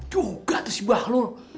juga tuh si bahlul